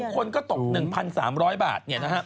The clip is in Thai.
คนก็ตก๑๓๐๐บาท